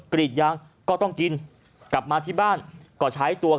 กรีดยางก็ต้องกินกลับมาที่บ้านก็ใช้ตัว